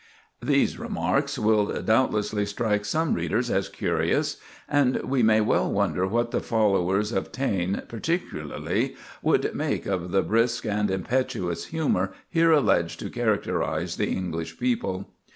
These remarks will doubtless strike some readers as curious, and we may well wonder what the followers of Taine, particularly, would make of the "brisk and impetuous humor" here alleged to characterize the English people.